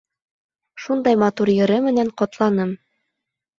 Шундай матур йыры менән ҡотланым.